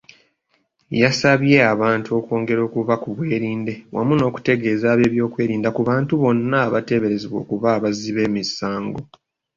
Yasabye abantu okwongera okuba kubwerinde wamu n'okutegeeza abebyokwerinda ku bantu bonna bebateebereza okuba abazzi b'emisango.